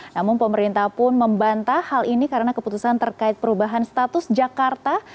namun pemerintah pun membantah hal ini karena keputusan terkait perubahan status jakarta